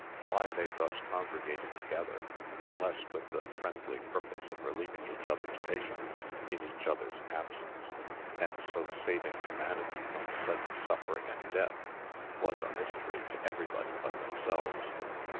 Why they thus congregated together, unless with the friendly purpose of relieving each other's patients in each other's absence, and so saving humanity from sudden suffering and death, was a mystery to everybody but themselves.